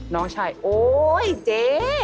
น้องชายโอ๊ยเจ๊